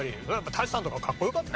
舘さんとかかっこ良かった。